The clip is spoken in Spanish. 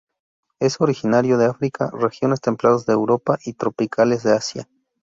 Es originario de África, regiones templadas de Europa y tropicales de Asia.